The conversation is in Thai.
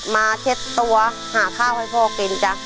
เช็ดตัวหาข้าวให้พ่อกินจ้ะ